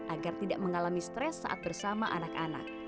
agar tidak mengalami stres saat bersama anak anak